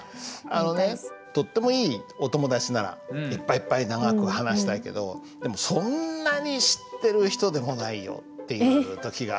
あのねとってもいいお友達ならいっぱいいっぱい長く話したいけどでもそんなに知ってる人でもないよっていう時があるじゃない？